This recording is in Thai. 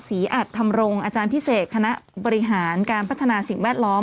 อัตธรรมรงค์อาจารย์พิเศษคณะบริหารการพัฒนาสิ่งแวดล้อม